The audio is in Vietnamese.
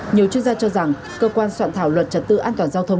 nhiều chuyên gia cho rằng cơ quan soạn thảo luật trật tự an toàn giao thông